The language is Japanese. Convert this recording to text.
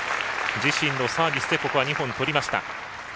自身のサービスで早田ここは２本、取りました。